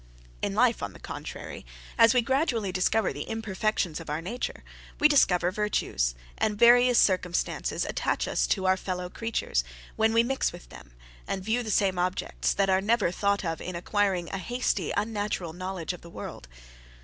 In life, on the contrary, as we gradually discover the imperfections of our nature, we discover virtues, and various circumstances attach us to our fellow creatures, when we mix with them, and view the same objects, that are never thought of in acquiring a hasty unnatural knowledge of the world.